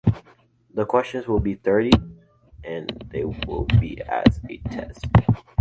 The questions will be thirty and they will be as a test.